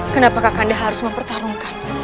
kenapa kakak anda harus mempertarungkan